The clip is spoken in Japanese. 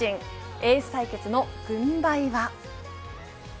エース対決の軍配は。